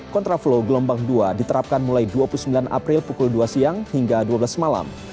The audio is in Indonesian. kontraflow gelombang dua diterapkan mulai dua puluh sembilan april pukul dua siang hingga dua belas malam